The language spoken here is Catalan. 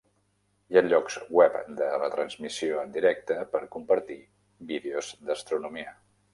Hi ha llocs web de retransmissió en directe per compartir vídeos d'astronomia.